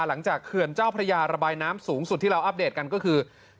เขื่อนเจ้าพระยาระบายน้ำสูงสุดที่เราอัปเดตกันก็คือ